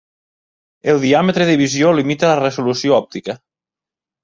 El diàmetre de visió limita la resolució òptica.